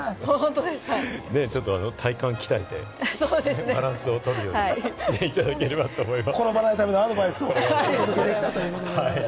ちょっと体幹鍛えてバランスを取るようにしていただければと思います。